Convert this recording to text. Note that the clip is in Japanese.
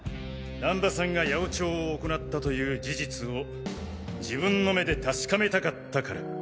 難波さんが八百長を行ったという事実を自分の目で確かめたかったから。